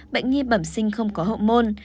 bệnh nhi bẩm sinh không có hậu môn